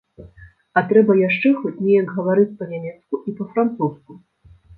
А трэба яшчэ хоць неяк гаварыць па-нямецку і па-французску.